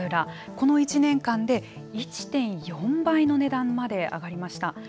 この１年間で１．４倍の値段まで上がりました。